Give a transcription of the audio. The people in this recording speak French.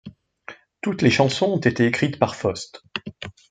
Toutes les chansons ont été écrites par Faust.